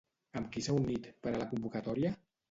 Amb qui s'ha unit per a la convocatòria?